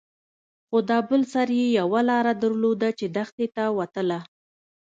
خو دا بل سر يې يوه لاره درلوده چې دښتې ته وتله.